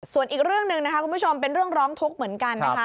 ส่วนอีกเรื่องหนึ่งนะคะคุณผู้ชมเป็นเรื่องร้องทุกข์เหมือนกันนะคะ